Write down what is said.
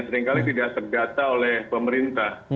seringkali tidak terdata oleh pemerintah